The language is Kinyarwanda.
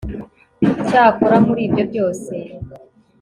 cyakora, muri ibyo byose